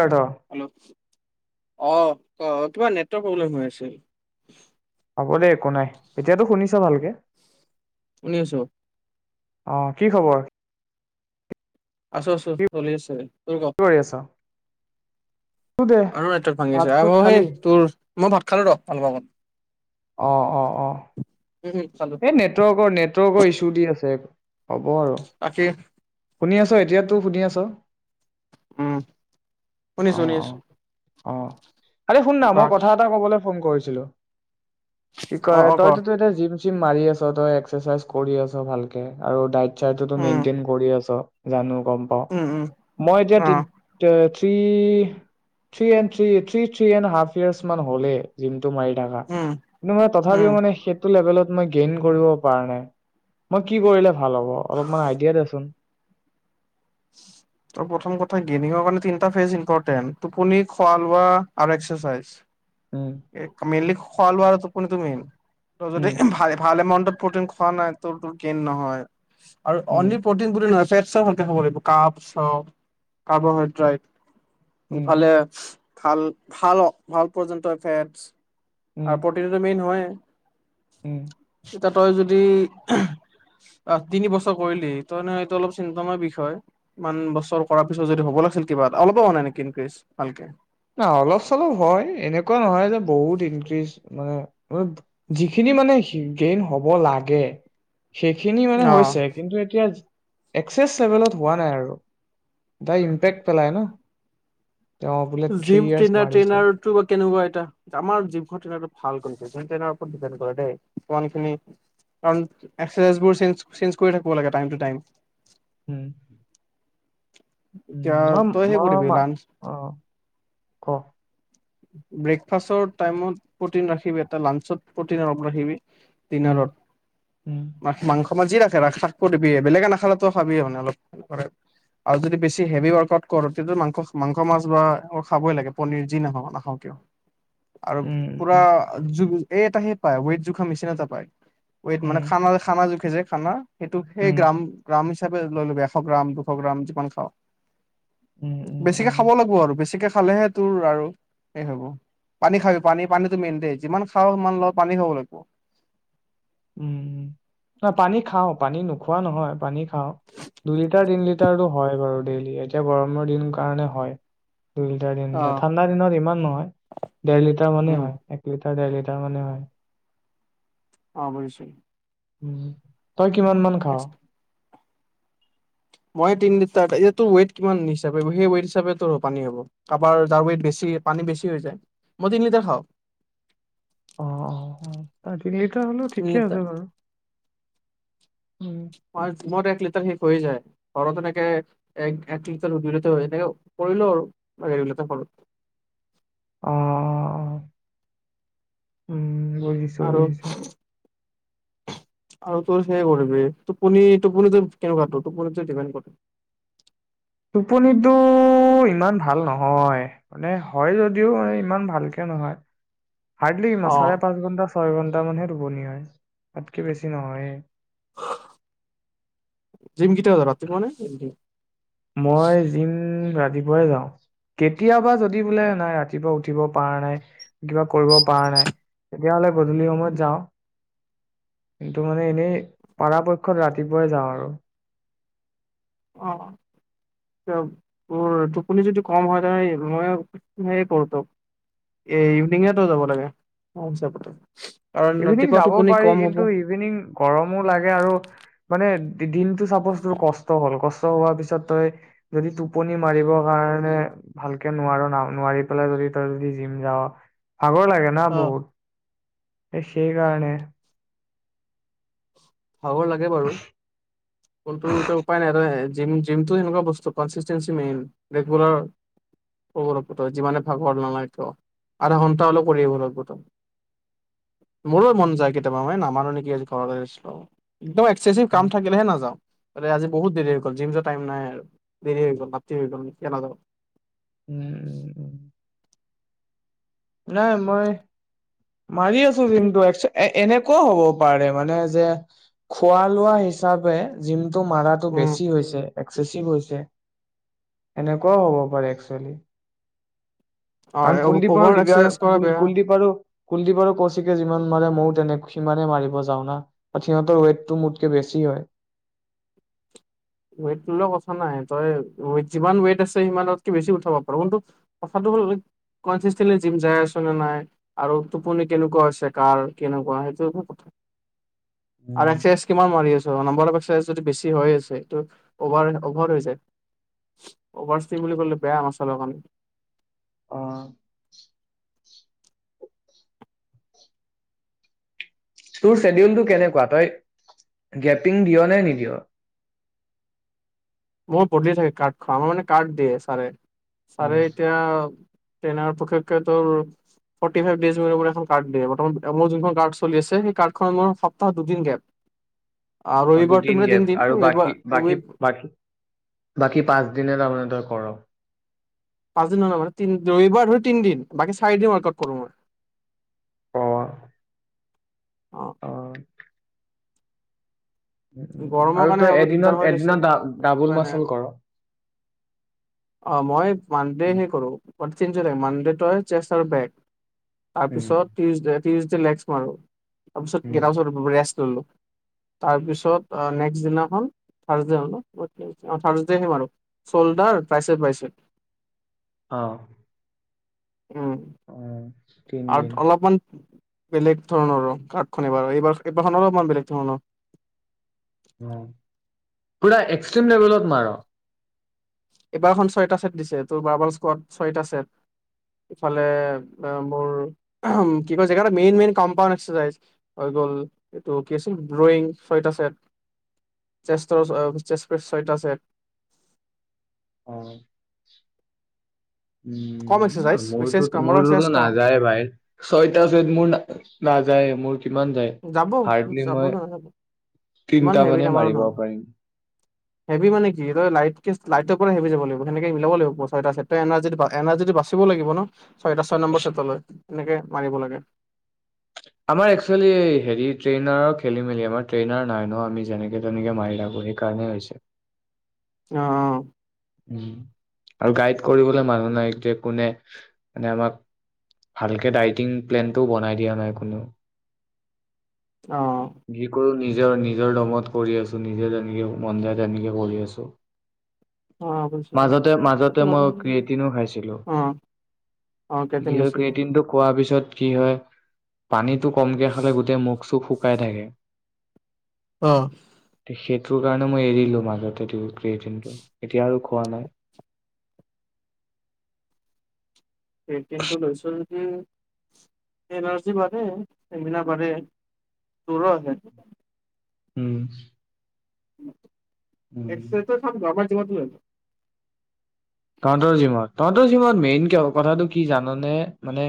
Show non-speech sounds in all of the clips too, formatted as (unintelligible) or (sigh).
অৰ্থ হেল্ল' অ 'ক কিবা নেটৱৰ্ক প্ৰব্লেম হৈ আছে। হ'ব দেই একো নাই এতিয়াতো শুনিছ ভালকে শুনি আছো। অ, কি খবৰ? আছো আছো চলি আছে। তোৰ ক কি কৰি আছ? দে আৰু নেটৱৰ্ক ভাত ভাঙিছে আহ চাত অ'' খালি সেই তোৰ মই ভাত খালো ৰ অলপ আগত, অ- অ -অ উম উম খালো এই নেটৱৰ্কৰ নেটৱৰ্কৰ ইুছু। তুদি আছে। হ'ব আৰু বাকী শুনি আছ এতিয়াতো টো শুনি আছ উম, অ অ শুনিছোঁ-শুনিছোঁ। অ, আৰে শুননা মই কথা এটা ক'বলৈ ফোন কৰিছো ছিলো। কি অ কয় অ ক তইতো তো এতিয়া জিম মাৰি আছ তই এক্সেচাইজ কৰি আছ ভালকে আৰু ডাইটতো তো উম মেনটতিন ঘৰি আছে জানো। গম পাওঁ উম উম মই এতিয়া অ তি three A three three three and half years মান হবলাগে টো মাৰি উম থকা উম থাপিও মানে সেইটো লেভেলত মই গ্ৰেইন কৰিব পাৰা নাই, মই কি কৰিলে ভাল হব? অলপ মন ইডিয়া দে চোন? তই প্ৰথম কথা গেমিঙ কাৰে তিনটা ফেজ ইম্পৰ্টে টোপনি খোৱা লোৱা আৰু একাৰচাইজ। উম, এই কামেলি খোৱা বোৱাৰ টোপনিটো মেই তই যদি উম, ভালএমাউন্টত প্ৰটিন খোৱা নাই ত গেইন নহয়। আৰু উম, অনলি প্ৰটিন নহয় ফেট চব ভালকে হব লাগিব। কাপ চাপ কাৰ্বহাইড্ৰেট। উম, ফালে ভাল-ভাল-ভাল পৰ্যন্ত ফেটজ উম, আৰু প্ৰতিনটোটো মেইন হয়। উম, এয়া তই যদি আহ তিন বছৰ কৰিলি তই নহ এইটো অলপ চিন্তনয় বিষয় ইমান বছৰ কৰাৰ পিছত যদি হ'ব লাগিছিল কিবা অলপো হোৱা নাই নেকি ইনক্ৰিজ ভালকে। ন অলপ চলপ হয় এনেকুৱা নহয় যে বহুত ইনক্ৰিজ মানে যিখিনি মানে গেইন হ'ব লাগে সেইখিনি মানে অ হৈছে কিন্তু এতিয়া একচেছ লেভেলত হোৱা নাই আৰু দাই ইম্পেক্ট পেলাই ন তেওঁ বোলে থ্ৰী জিম ইয়াৰ্চ মাৰিছো ট্ৰেইনাৰ-ট্ৰেইনাৰ টো বা কেনেকুৱা? আমাৰ জৱখন ভ কৰে (unintelligible) ই থ ল উম, উম, এতিয়া ম, তই সেই কৰিবি মম লাঞ্চ অ', ক? ব্ৰেকফাষ্টৰ টাইমত প্ৰ'টিন ৰাখিবি এটা লাঞ্চত প্ৰটিন অলপ ৰাখিবি। উম দিনাৰত উম মা মাংস তমান যি ৰাখে ৰা থাক দিবি বেলেগে নাখালাো খাবি মানে অলপ। আৰু যদি বেছি হেভি ৱৰ্কআউট কৰো। (unintelligible) মাংস মাংস মাছ বা খাবই লাগে পনীৰ যি নাও নাখাওঁ কিয়। আৰু উম পুৰা উম (unintelligible) এই এটাহে পায় ৱেইট জোখা মেচিন এটা পায়। ওৱেট মানে উম খানা খানা য। (unintelligible) খানা। সেইটো সেই উম গ্ৰাম গ্ৰাম। (unintelligible) লৈ লবি এশ গ্ৰাম দুশ গ্ৰাম। অকণমান খাওঁ। উম উম বেছিকে উম খাব লাগব আৰু বেছিকে। খালেহে তোৰ আৰু এই হ'ব পানী খাবি পানী পানীটো মেইন দেই যিমান খাওঁ সিমান ল পানী খাব লাগিব। উম ন পানী খাওঁ পানী নোখোৱা নহয়। পানী খাওঁ দুই লিটাৰ, তিন লিটাৰতটো হয় বাৰু ডেইলি এতিয়া গৰমৰ দিন কাৰণে হয়। দুই লিটাৰ, তিন লিটাৰ অ'। ঠাণ্ডা দিনত ইমান নহয় দেৰ লিটাৰ মানে উম, হয় এক লিটাৰ। তাৰ মান হয়। অ গৈছো। উম। তই কিমান মান খাৱ? মই তিন লিটাৰোৰ ইয়াত টোৰ ওৱেট কিমান হিচাপে সেই ওৱেইট হিচাপে তোৰ পানী হবো। কাৰোবাৰ যাৰ ওৱেট বেছি পানী বেছি হৈ যায়। মই তিন লিটাৰ খাওঁ। অ, ' অ', অ', তিন লিটাৰ হলেও তিনি ঠিকে লিটাৰ আছে বাৰু। উম (unintelligible) মোৰ এক লিটাৰ শেষ হৈ যায় ঘৰত এনেকে এক এক লিটাৰ দুই লিটাৰ হৈ এনেকে পৰিলো আৰু ই লিটাৰ ঘৰত। অ উম। বুজিছো আৰু বুজিছো। আৰু তোৰ সেয়ে কৰবি টোপনি টোপনিতো কেনেকুৱা তোৰ টোপনিতো ডিপেণ্ড কৰে। টোপনিটো ইমান ভাল নহয় মানে হয় যদিও ইমান ভালকে নহয়। (unintelligible) অ' মছালা পাঁচ গুন্ধা। ছয় ঘন্টা মানহে টোপনি হয় তাতকে বেছি নহয়ে। জিম কেতিয়া যাৱা ৰাতিপুৱা নে ৰাতি। মই জিম। ৰাতিপুৱাই যাওঁ কেতিয়াবা যদি বোলে নাই ৰাতিপুৱা উঠিব পৰা নাই কিবা। কৰিব পৰা নাই তেতিয়া হ'লে গধূলি সময়ত যাওঁ। কিন্তু মানে এনেই পৰাপক্ষত ৰাতিপুৱাই যাওঁ আৰু। অ তোৰ টোপনি যদি কম হয় তে মই হে কৰো তই এই ইভিনিঙে তই যাব লাগে মোৰ হিচাপত। ইভিনিং যাব পাৰি কিন্তু ইভিনিং গৰমো লাগে আৰু মানে। দিনটো চাপজ তোৰ কষ্ট হল কষ্ট হোৱাৰ পিছত তই যদি টোপনি মাৰিব কাৰণে ভালকে নোৱাৰ ন নোৱাৰি পেলাই যদি তই যদি জিম যাৱ। আগৰ লাগে না অ', বহুত? এ ', শেই কাৰানে! ভাগৰ লাগে বাৰু কোনটো এতিয়া উপায় নাই। জিম- জিমটো সেনেকুৱা বস্তু কনচিষ্টেঞ্চি মেইন ৰেগুলাৰ কৰিব লাগব যিমানে ভাগৰ নালাগ ক আধা ঘন্টা হলে কৰি আহিব লাগিব ত মোৰ মন উম যায় কেতিয়াবা মে নামাৰ নেকি আজ ঘৰলৈ আছিলো। একদম এক্সেচিভ কাম উম, থাকিলেহে নাযাওঁ। আৰে', আজি বহুত দেৰি হৈ গল জিম য টাইম নাই আৰু দেৰি হৈ গল ৰাতি হৈ গ'ল এতিয়া নাযও। উম- উ - উম -উম নাই মই মাৰি আছো জিমটো এক এ এনেকুৱও হ'ব পাৰে মানে যে খোৱা লোৱা হিচাপে জিমটো টো মাৰাটো উম, বেছি হৈছে! একেচিভ হৈছে সেনেকুৱাও হ'ব পাৰে একচুৱেলি। হয় আৰু কুলদীপ অভাৰ আৰুদিব্যাৰ এক্সাৰচাইজ কৰা আৰু ক বেয়া। -কুলদীপ আৰু কুলদ্বীপ আৰু কৌশিকে যিমান মাৰে ময়ো তেনে সিমানে মাৰিব যাওনাা ব সিহঁতৰ ৱেইটটো মোতকে বেছি হয়। ৱেটলৈ কথা নাই তই যিমান ৱেট আছে সিমানকে বেছি উঠাব পাৰ কিন্তু কথাটো হ'ল কনচিেটল জিম যাই আছ নে নাই আৰু টোপনি কেনেকুৱা হৈছে কাৰ কেনেকুৱা সেইটো এক কথা আৰু উম, এক্সাৰচাইজ কিমান মাৰি আছ নম্ব অ একাইজ যদি বেছি হৈ আছে? অভাৰ- অভাৰ হৈ যায় অভাৰ চিম বুলি কলে বেয়া মাচালৰ পাম। আহ', তোৰ চেদিউলটো কেনেকুৱা তই গেপিং দিয় নে নিদিয়? মই বদিয় থাকে কাৰ্ড খ আমাৰ মানে কাৰ্ড দিয়ে ছাৰে। উম, ছাৰে এতিয়া ট্ৰেইনেৰে প্ৰত্যেকেটো ফৌৰটি ফাইভ ডেজৰ কাৰণে এখন কাৰ্ড দিয়ে বৰ্তমান মোৰ জোনখন কাৰ্ড চলি আছে কাৰ্ডখন মোৰ সপ্তাহত দুদিন গেপ। আৰু অ' ৰবিবাৰ দুদিন তুমিা গেপ তিনদিন আৰু বাকী ৰবিবাৰ বাকী ৰবি বাকী বাকী পাঁচদিনে তাৰমানে তই কৰ পাঁচ দিন নালগাই টি ৰবিবাৰ ধৰি তি দিন বাকী চাৰিদিন ৱাৰ্কআউট কৰো মই। অ', উম, উম, উম। গৰমৰ আৰু কাৰণে তই অ', দিগদাৰ এদিনত হয় এদিনত দেছোন ডা ডাবুল উপায় মাচল নাই কৰ। অ মই মানডে হে কৰো। ঞজ ল মানডেষ্টাৰ বেগ উম, তাৰপিছত টিউজডে টউজডে লেগছ মাৰো। তাৰপিছত উম, গটাৰ পিছত ৰেষ্ট লো তাৰপিছত নেক্স দিনাখন থাৰচডে হ'ল থাৰডে আহিম আৰু চল্ডাৰ তৃাইচেপ বাইচেপ অ', উম উম', আৰু অলপমান বেলেগ ধৰণৰ গাৰ্ডখন এইবাৰ এইবাৰ এইবাৰখনো অলপমান বেলেগ ধৰণৰ। পুৰা এক্সট্ৰিম লেভেলত মাৰ এইবাৰখন ছয়টা চছেট দিছে তোৰ বাৰ্বল স্কোৱাড ছয়টা চেট ইফালে মোৰ কি কয় জেগা এটা মেইন মেইন কম্পাউণ্ড এক্সাৰচাইজ হৈ গ'ল এইটো কি আছিল ড্ৰয়িং ছয়টা চেট চেষ্টৰ ছয় চেট। অ, কম এক্সাৰচাইজ উম, এক্সাৰচাইজ মোৰতটো কম অলপ এক্সাৰচাইজ মোৰতো কম নাযায় বাই ছয়টা ছয়ত মোৰ নাযায় মোৰ। কিমান যায় যাব হাৰ্ডলি যাব মই কিয় নাযাব ইমান তিনটা হেভি মানে নামাৰো মাৰিব নহয় পাৰিম। হেভি মানে কি তই লাইট-লাইটৰ পৰা হেভি যাব লাগিব সনেকে মিলাব লাগিব ছটা ছেট এাৰ্জ এনাৰ্জিটো বাচিব লাগিব ন। ছয়টা ছয় নম্বৰ চটলৈ। এনেকে মাৰিব লাগে। আমাৰ এক্সুৱেলি হেৰি ট্ৰেইনাৰ খেলি মেলি আমাৰ ট্ৰেনাই নাই ন আমি যেনে তেনে মাৰি থাকো, সেই কাৰণে হৈছে। আহ-আহ, উ, আৰু গাইড কৰিবলে মানুহ নাই যে কোনে মানে আমাক ভালকে ডাইটিং প্লেনটোও বনাই দিয়া নাই। কোনো। অ যি কৰো নি নিজৰ-নিজৰ দমত কৰি আছো নিজে তেনেকে মন যায় তেনেকে কৰি আছো। অ বুজিছো বুজিছো। সেইটো মাজতে-মাজতে হয়। মই ক্ৰীয়েটিনো খাইছিলো অ অ কেইদিন কি লৈছো ক্ৰীয়েটিনটো খোৱাৰ পিছত কি হয়? পানী কমকে খালে গোটে মুখ চুু শুকাই থাকে। অ, তে সেইটোৰ কাৰণে মই এৰিলো মাজতে ই ক্ৰীয়েতিন টো এতিয়া আৰু খোৱা নাই। এইটিনটো লৈছো। উম, এন আৰ চি বাৰে এমনা (unintelligible) ব়ে দৰো আছে উম, উম (inaudible) উম। এছেটো চব গাব (inaudible) তহঁতৰ জিমট তহঁতৰ জিমট মেইন কে কি জানানে মানে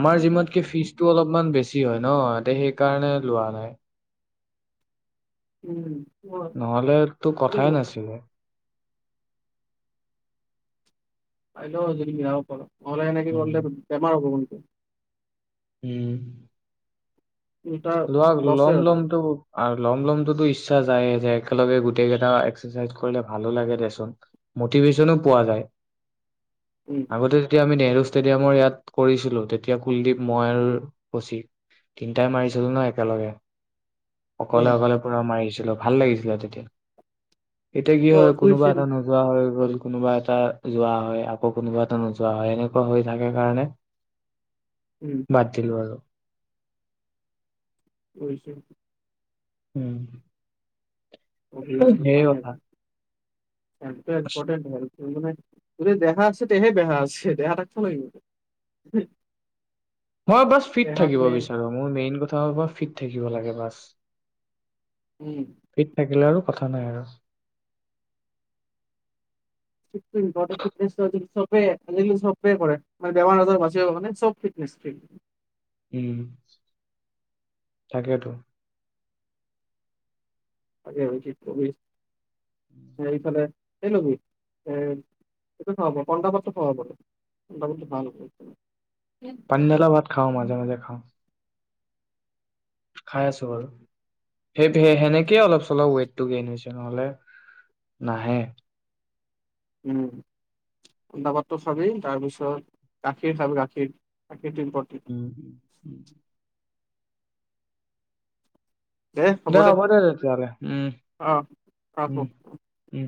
আমাৰ জিমটকে ফিজটো অলপমান বেছি হয় ন সেই কাৰণে লোৱা নাই। উম, নহ'লে তো এইটো কথাই নাছিলে। আহল জ দে প অলাইন উম, গলে বেমাৰ হ'ব। (inaudible) উম, উল্টা লোৱা লছে হ'ব ল'ম-ল'মটো লম লমটোতো ইচ্ছা যায় যে একেলগে গোটেই কেইটা এক্সাৰচাইজ কৰিলে ভালো লাগে দেচোন মটিভেশচনো পোৱা যায়। উম আগতে যেতিয়া আমি নেহৰু ষ্টেডিয়ামৰ ইয়াত কৰিছিলো তেতিয়া কুলদীপ, মই আৰু কৌশিক তিনটাই মাৰিছিলো ন একেলগে অ অকলে অকলে পুৰা মাৰিছিলো ভাল লাগিছিলে তেতিয়া। এতিয়া কি অ হয় কোনোবা এটা বুজিছিলো নোযোৱা হয় ৰল কোনোবা এটা যোৱা হয় আকৌ কোনোবা এটা নোযোৱা হয় এনেকুৱা হৈ থাকে কাৰণে উম বাদ দিলো আৰু। (unintelligible) উম। সেই কথা (inaudible) যদি দেহা আছে তেহে বেহা আছে। (unintelligible) মই বচ ফিট দেহাত থাকিব মানে বিচাৰো। মোৰ মেইন কথা হল মই ফিট থাকিব লাগে বাছ। উম ফিট থাকিলে আৰু কথা নাই আৰু (inaudible) (unintelligible) আজিকালি চববে কৰে মানে বেমাৰ আজাৰ বাচিব কাৰণে চব ফিটনেচ ফ্ৰীক। উম। থাকেতো। (unintelligible) কি কবি এইফালে এই লবি। এ - এইটো খোৱাব পন্তা ভাতটো খুৱাব পাৰে। পন্তা ভাত টো ভাল আছে পানী ধালা ভাত খাওঁ মাজে মাজে খাওঁ। খাই আছো বাৰু। সেই - সেই - সেনেকেই অলপ চলপ ৱেইটটো গেইন হৈছে নহ'লে নাহে। উম। পইতা ভাতটো খাবি তাৰ পিছত গাখীৰ খাবি গাখীৰ। গাখীৰটো ইম্পৰ্টেণ্ট উম। উম। উম। দে হ'ব দে তেতিয়াহলে। উম। অ অ হ'ব উম। উম।